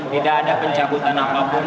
tidak ada pencabutan apapun